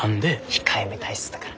控えめ体質だから。